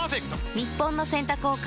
日本の洗濯を変える１本。